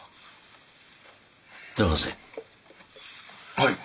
はい。